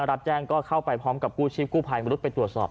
รับแจ้งก็เข้าไปพร้อมกับกู้ชีพกู้ภัยมนุษย์ไปตรวจสอบ